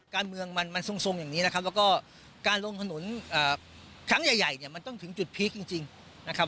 การเมืองมันทรงอย่างนี้นะครับแล้วก็การลงถนนครั้งใหญ่เนี่ยมันต้องถึงจุดพีคจริงนะครับ